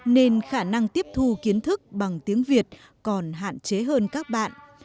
nên khả năng tiếp thu kiến thức bằng tiếng việt còn hạn chế hơn các bạn